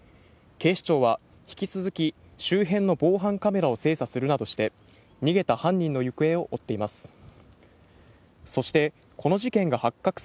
警視庁は引き続き、周辺の防犯カメラを精査するなどして、逃げた犯人の行方を追っています。